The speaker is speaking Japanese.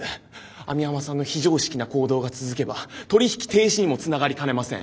網浜さんの非常識な行動が続けば取引停止にもつながりかねません。